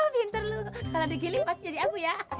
bintar lo kalau di giling pasti jadi abu ya